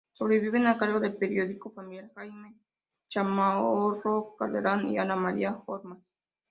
Sobreviven a cargo del periódico familiar Jaime Chamorro Cardenal y Ana María Holman.